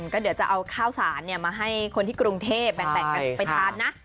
ก็เดี๋ยวจะเอาข้าวสารเนี้ยมาให้คนที่กรุงเทพฯแปลงไปทานนะ